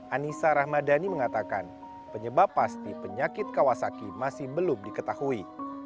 anissa rahmadani mengatakan penyebab pasti penyakit kawasaki masih belum diketahui